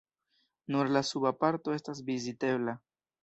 Nur la suba parto estas vizitebla.